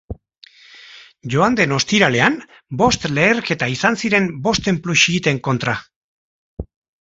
Joan den ostiralean bost leherketa izan ziren bost tenplu xiiten kontra.